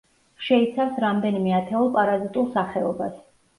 შეიცავს რამდენიმე ათეულ პარაზიტულ სახეობას.